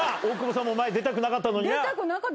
大久保さんも前出たくなかったのにな。